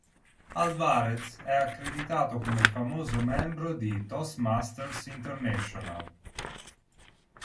Álvarez è accreditato come famoso membro di Toastmasters International.